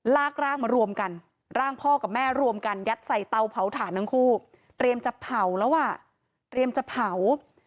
ลากร่างมารวมกันร่างพ่อกับแม่รวมกันยัดใส่เตาเผาถ่านทั้งคู่เตรียมจะเผาแล้วอ่ะเตรียมจะเผา